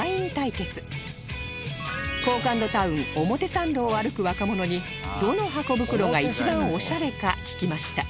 高感度タウン表参道を歩く若者にどのハコ袋が一番おしゃれか聞きました